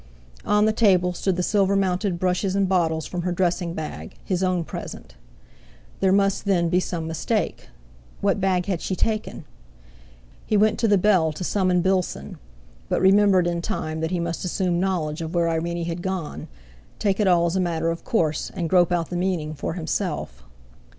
On the table stood the silver mounted brushes and bottles from her dressing bag, his own present. There must, then, be some mistake. What bag had she taken? He went to the bell to summon Bilson, but remembered in time that he must assume knowledge of where Irene had gone, take it all as a matter of course, and grope out the meaning for himself.